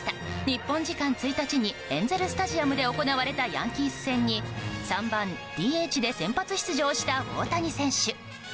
日本時間１日にエンゼル・スタジアムで行われたヤンキース戦に３番ＤＨで先発出場した大谷選手。